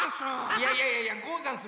いやいやいやいや「ござんす」